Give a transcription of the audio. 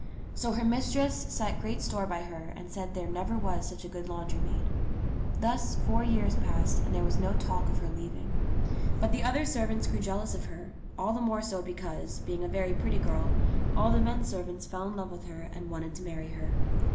So her mistress set great store by her and said there never was such a good laundry maid. Thus four years passed and there was no talk of her leaving. But the other servants grew jealous of her, all the more §0 because, being a very pretty girl, all the men servants fell in love with her and wanted to marry her.